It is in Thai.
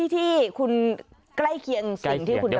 ที่คุณใกล้เคียงสิ่งที่คุณทำ